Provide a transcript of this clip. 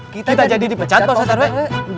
kita jadi di pecat pak ustad terwe